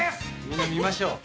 みんな見ましょう。